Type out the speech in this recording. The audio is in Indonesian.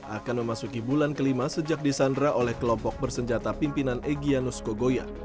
akan memasuki bulan kelima sejak disandra oleh kelompok bersenjata pimpinan egyanus kogoya